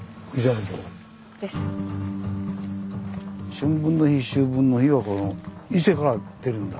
春分の日秋分の日はこの伊勢から出るんだ。